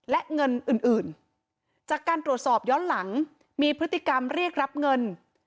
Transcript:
และเงินอื่นจากการตรวจสอบย้อนหลังมีพฤติกรรมเรียกรับเงิน